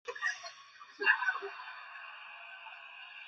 拉巴斯蒂多纳人口变化图示